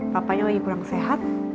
papahnya lagi kurang sehat